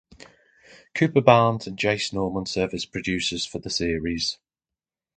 Cooper Barnes and Jace Norman serve as producers for the series.